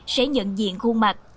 sẽ nhận diện khuôn mặt